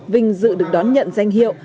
vinh dự được đón nhận danh hiệu